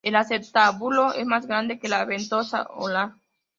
El acetábulo es más grande que la ventosa oral.